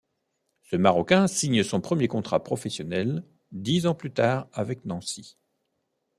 Ce Marocain signe son premier contrat professionnel dix ans plus tard, avec Nancy.